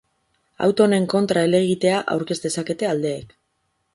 Auto honen kontra helegitea aurkez dezakete aldeek.